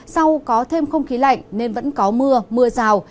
sau có thêm không khí lạnh nên vẫn có mưa mưa rào